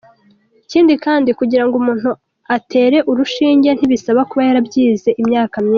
Ikindi kandi kugira ngo umuntu atere urushinge ntibisaba kuba yarabyize imyaka myinshi.